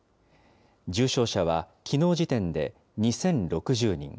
重症者は、きのう時点で２０６０人。